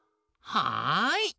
はい！